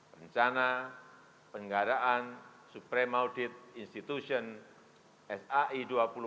rencana penggaraan supreme audit institution sai dua puluh